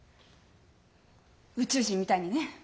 「宇宙人みたいにね」。